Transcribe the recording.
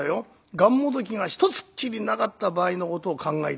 がんもどきが一つっきりなかった場合のことを考えてごらん。